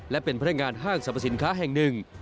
และเป็นพนักงานห้างสรรพสินค้าแห่งหนึ่ง